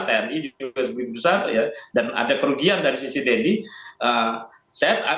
tni juga sebegitu besar ya dan ada kerugian dari sisi deddy